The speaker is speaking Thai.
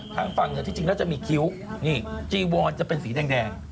ทางฝั่งเหนือที่จริงแล้วจะมีคิ้วนี่จีวอนจะเป็นสีแดง